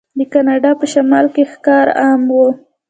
د کاناډا په شمال کې ښکار عام و.